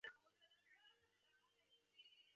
其后更确立新罗的父传子继位制度。